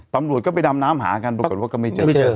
ตำรวจก็ไปดำน้ำหากันปรากฏว่าก็ไม่เจอ